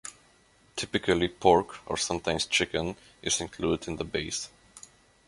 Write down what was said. Typically pork, or sometimes chicken, is included in the base.